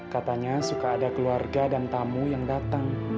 katanya suka ada keluarga dan tamu yang datang